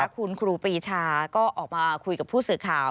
คุณครูปีชาก็ออกมาคุยกับผู้สื่อข่าว